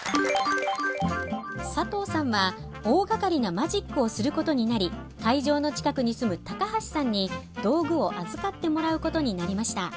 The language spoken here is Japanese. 佐藤さんは大がかりなマジックをすることになり会場の近くに住む高橋さんに道具を預かってもらうことになりました。